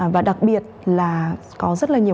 và đặc biệt là có rất là nhiều